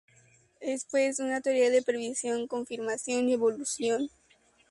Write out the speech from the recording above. Es pues una teoría de previsión, confirmación y evolución.